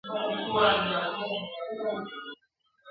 زه دي هم یمه ملګری ما هم بوزه ..